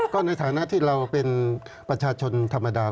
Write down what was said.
ก็ในฐานะที่เราเป็นประชาชนธรรมดา